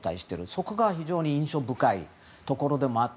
そこが非常に印象深いところでもあって。